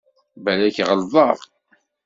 Balak ɣelḍeɣ.